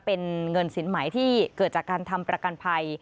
เป็นเงินสินใหม่ที่เกิดจากการทำประกันภัย